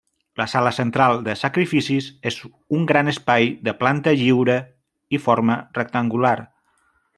La sala central de sacrificis és un gran espai de planta lliure i forma rectangular.